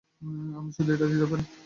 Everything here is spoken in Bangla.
আমি শুধু এইটা দিতে পারি।